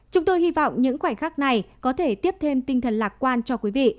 chúng tôi hy vọng những khoảnh khắc này có thể tiếp thêm tinh thần lạc quan cho quý vị